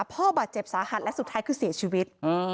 พ่อบาดเจ็บสาหัสและสุดท้ายคือเสียชีวิต